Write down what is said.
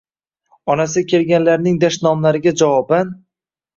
Onasi kelganlarning dashnomlariga javoban: